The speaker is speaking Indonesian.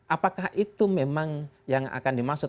apakah itu memang yang akan dimaksud